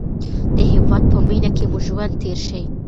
د هېواد په مینه کې مو ژوند تېر شي.